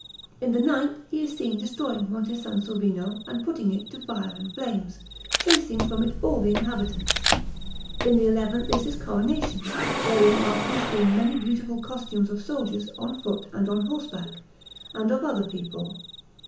In the ninth he is seen destroying Monte Sansovino and putting it to fire and flames, chasing from it all the inhabitants. In the eleventh is his coronation, wherein are to be seen many beautiful costumes of soldiers on foot and on horseback, and of other people.